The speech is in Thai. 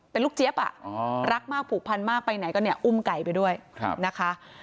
เป็นลูกเจี๊ยบอ่ะรักมากผูกพันมากไปไหนก็เนี่ยอุ้มไก่ไปด้วยนะคะ